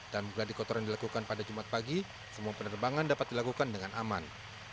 dan geladi kotor yang dilakukan pada jumat pagi semua penerbangan dapat dilakukan dengan aman